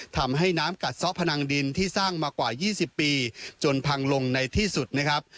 ทำให้น้ำกัดซ่อพนังดินที่สร้างมากว่า๒๐ปีจนพังลงในที่สุดนะครับ